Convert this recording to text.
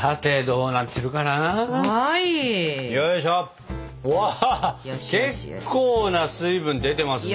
うわ結構な水分出てますね。